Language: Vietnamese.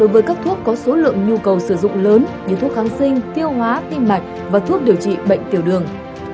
với các thuốc có số lượng nhu cầu sử dụng lớn như thuốc kháng sinh tiêu hóa tim mạch và thuốc điều trị bệnh tiểu đường